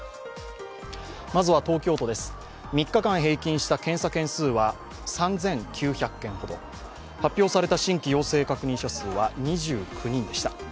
まずは東京都です、３日間平均した検査件数は３９００件ほど３９００件ほど、発表された新規陽性確認者数は２９人でした。